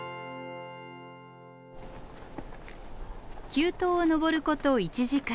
急登を登ること１時間。